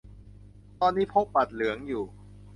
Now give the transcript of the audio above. ตอนนี้พกบัตรเหลืองอยู่